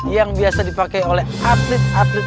yang biasa dipakai oleh atlet atlet